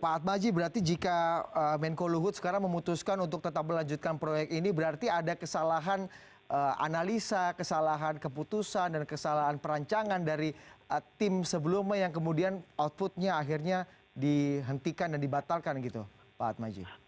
pak atmaji berarti jika menko luhut sekarang memutuskan untuk tetap melanjutkan proyek ini berarti ada kesalahan analisa kesalahan keputusan dan kesalahan perancangan dari tim sebelumnya yang kemudian outputnya akhirnya dihentikan dan dibatalkan gitu pak atmaji